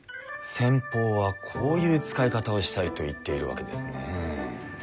先方はこういう使い方をしたいと言っているわけですね。